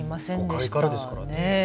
誤解からですからね。